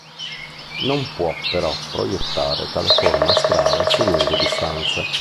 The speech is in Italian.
Non può però proiettare tale forma astrale su lunghe distanze.